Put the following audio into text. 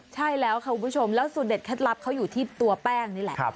ใช่แล้วค่ะคุณผู้ชมแล้วสูตรเด็ดเคล็ดลับเขาอยู่ที่ตัวแป้งนี่แหละ